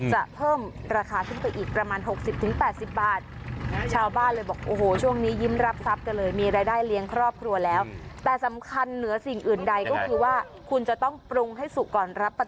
จะเพิ่มราคาขึ้นไปอีกประมาณหกสิบถึงแปดสิบบาทชาวบ้านเลยบอกโอ้โห